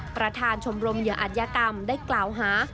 ประธานชมรมเหยื่ออัธยกรรมได้กล่าวหา